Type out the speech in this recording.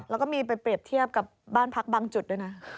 แล้วก็มีไปเปรียบเทียบกับบ้านพักบางจุดด้วยนะ